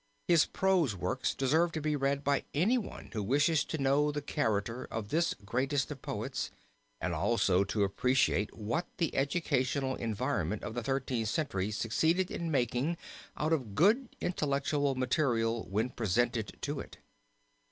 His prose works deserve to be read by anyone who wishes to know the character of this greatest of poets, and also to appreciate what the educational environment of the Thirteenth Century succeeded in making out of good intellectual material when presented to it.